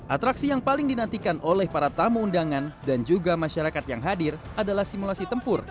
atraksi yang paling dinantikan oleh para tamu undangan dan juga masyarakat yang hadir adalah simulasi tempur